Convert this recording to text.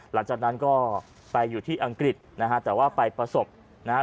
หลังจากนั้นก็ไปอยู่ที่อังกฤษนะฮะแต่ว่าไปประสบนะฮะ